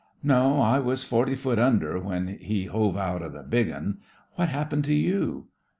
"No, I was forty foot under when he hove out the big 'un. What hap pened to you?"